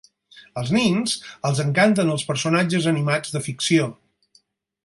Als nens els encanten els personatges animats de ficció.